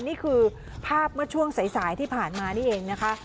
นี่คือภาพเมื่อช่วงสายที่ผ่านมานี่เองนะคะ